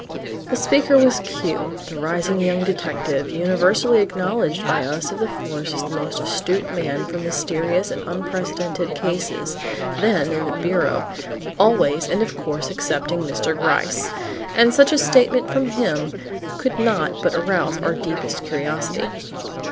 The speaker was Q, the rising young detective, universally acknowledged by us of the force as the most astute man for mysterious and unprecedented cases, then in the bureau, always and of course excepting Mr. Gryce; and such a statement from him could not but arouse our deepest curiosity.